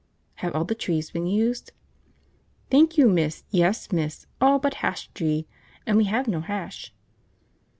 Have all the trees been used?" "Thank you, miss, yes, miss, all but h'ash tree, and we 'ave no h'ash."